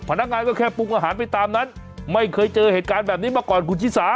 พนักงานก็แค่ปรุงอาหารไปตามนั้นไม่เคยเจอเหตุการณ์แบบนี้มาก่อนคุณชิสา